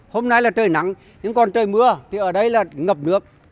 hôm nay là trời nắng nhưng còn trời mưa thì ở đây là ngập nước